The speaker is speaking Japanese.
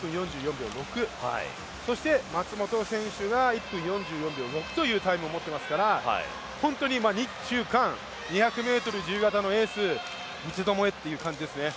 そして松元選手が１分４４秒６というタイムを持っていますから、本当に日中韓２００ｍ自由形のレース三つどもえっていう感じですね。